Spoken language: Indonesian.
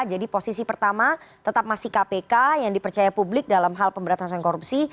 jadi posisi pertama tetap masih kpk yang dipercaya publik dalam hal pemberantasan korupsi